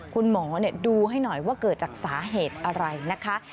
คุณหมอดูให้หน่อยว่าเกิดจากสาเหตุอะไรนะคะ